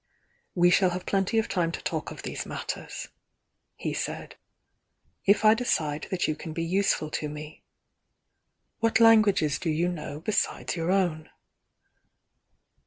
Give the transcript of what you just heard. "We shall have plenty of time to talk of these matters," he said — "if I decide that you can be use ful to me. What languages do you know besides your own?"